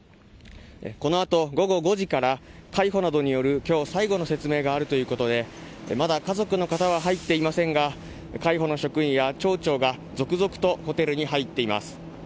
この後、午後５時から海保などによる今日最後の説明があるということでまだ家族の方は入っていませんが海保の職員や町長が続々とホテルに入っています。